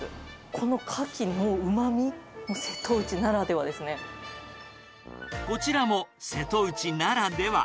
このカキのうまみ、瀬戸内ならでこちらも瀬戸内ならでは。